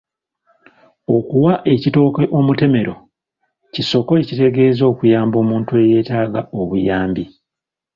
Okuwa ekitooke omutemero, kisoko ekitegeeza okuyamba omuntu eyeetaaga obuyambi.